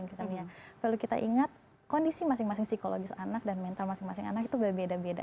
kalau kita ingat kondisi masing masing psikologis anak dan mental masing masing anak itu berbeda beda